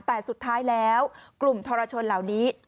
แต่สุดท้ายแล้วกลุ่มทรชนเหล่านี้